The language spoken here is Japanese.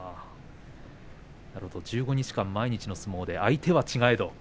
なるほど、１５日間、毎日の相撲で相手は違えど